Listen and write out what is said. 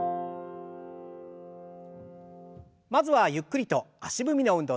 まずはゆっくりと足踏みの運動です。